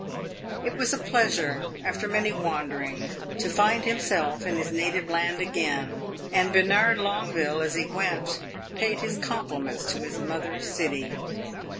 It was a pleasure, after many wanderings, to find himself in his native land again, and Bernard Longueville, as he went, paid his compliments to his mother city.